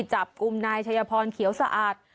จับกลุ่มนายชัยพรเขียวสะอาด